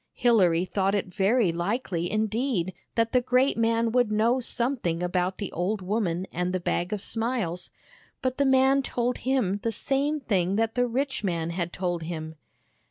Hilary thought it very likely indeed that the great man would know something about the old woman and the Bag of Smiles, but the man told him the same thing that the rich man had told him.